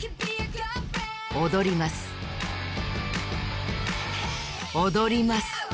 おどります。